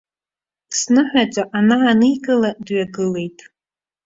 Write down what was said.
Сныҳәаҿа анааникыла дҩагылеит.